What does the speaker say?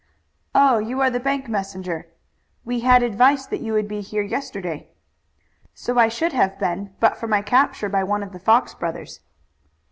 "Oh, you are the young messenger. We had advice that you would be here yesterday." "So I should have been, but for my capture by one of the Fox brothers."